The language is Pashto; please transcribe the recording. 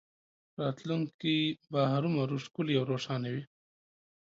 راتلونکی به هرومرو ښکلی او روښانه وي